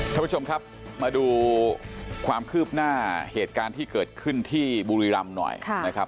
ท่านผู้ชมครับมาดูความคืบหน้าเหตุการณ์ที่เกิดขึ้นที่บุรีรำหน่อยนะครับ